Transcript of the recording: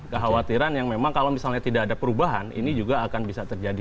kekhawatiran yang memang kalau misalnya tidak ada perubahan ini juga akan bisa terjadi